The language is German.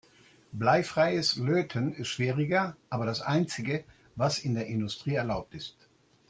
Bleifreies Löten ist schwieriger, aber das einzige, was in der Industrie erlaubt ist.